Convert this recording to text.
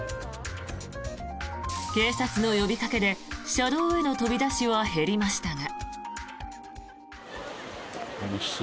警察の呼びかけで車道への飛び出しは減りましたが。